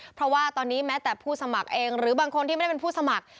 เพราะว่าตอนนี้แม้แต่ผู้สมัครเองหรือบางคนที่ไม่ได้เป็นผู้สมัคร